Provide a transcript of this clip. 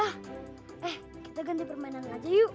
eh udah ganti permainan aja yuk